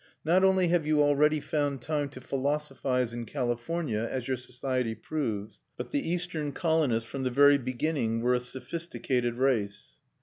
Not only have you already found time to philosophise in California, as your society proves, but the eastern colonists from the very beginning were a sophisticated race.